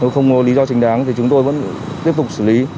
không có lý do chính đáng thì chúng tôi vẫn tiếp tục xử lý